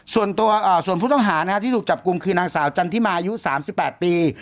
ส่วนผู้ต้องหาที่ถูกจับกลุ่มคือนางสาวจันทิมาอายุ๓๘ปี